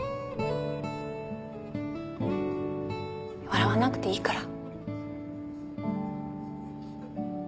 笑わなくていいから。